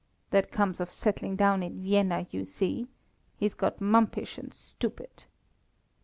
That comes of settling down in Vienna, you see. He's got mumpish and stupid."